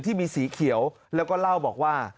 ที่มีสีเขียวแล้วก็เล่าบอกว่า